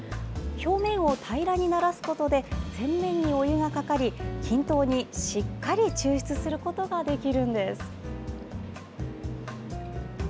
表面を平らにならすことで全面にお湯がかかり均等に、しっかり抽出することができるんです。